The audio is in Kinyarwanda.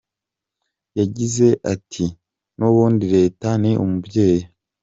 Yagize ati “N’ubundi leta ni umubyeyi.